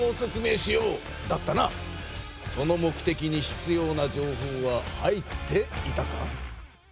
その目的にひつような情報は入っていたか？